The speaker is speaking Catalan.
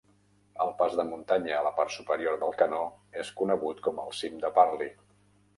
El pas de muntanya a la part superior del canó és conegut com el cim de Parley.